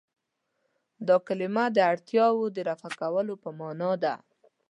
دا کلمه د اړتیاوو رفع کولو په معنا ده.